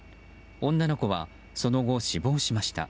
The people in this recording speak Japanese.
女の子はその後、死亡しました。